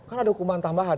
kan ada hukuman tambahan